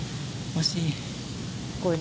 惜しい。